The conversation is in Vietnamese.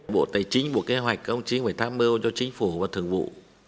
bộ tài chính buộc kế hoạch công chính phải tham mưu cho chính phủ và thường vụ